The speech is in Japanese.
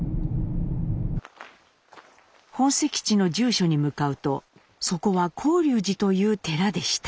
本籍地の住所に向かうとそこは興龍寺という寺でした。